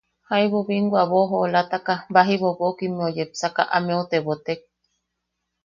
Jaibu binwa boʼojoolataka baji bobokimmeu yepsaka ameu tebotek: